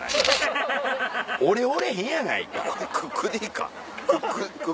俺おれへんやないか。